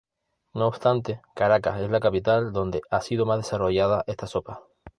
No obstante, Caracas es la capital donde ha sido más desarrollada esta sopa.